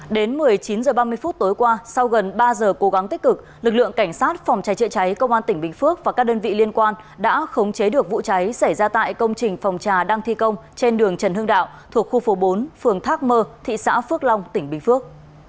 đến một mươi chín h ba mươi phút tối qua sau gần ba giờ cố gắng tích cực lực lượng cảnh sát phòng cháy chữa cháy công an tỉnh bình phước và các đơn vị liên quan đã khống chế được vụ cháy xảy ra tại công trình phòng trà đang thi công trên đường trần hưng đạo thuộc khu phố bốn phường thác mơ thị xã phước long tỉnh bình phước